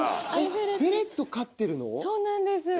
そうなんです。